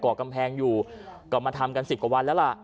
กำแพงอยู่ก็มาทำกัน๑๐กว่าวันแล้วล่ะ